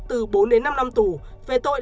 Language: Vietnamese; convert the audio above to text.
từ bốn đến năm năm tù về tội